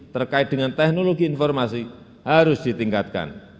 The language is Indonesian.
terkait dengan teknologi informasi harus ditingkatkan